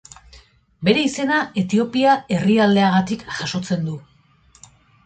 Bere izena Etiopia herrialdeagatik jasotzen du.